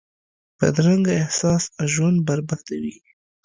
بدرنګه احساس ژوند بربادوي